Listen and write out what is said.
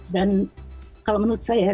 dan kalau menurut saya